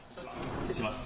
失礼します。